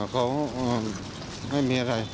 เขาไม่มีอะไร